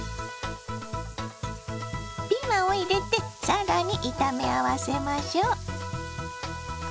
ピーマンを入れて更に炒め合わせましょう。